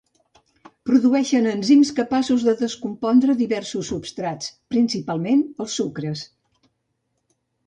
Produeixen enzims capaços de descompondre diversos substrats, principalment els sucres.